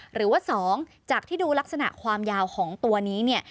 หรือว่า๒จากที่ดูลักษณะความยาวของตัวนี้เนี่ย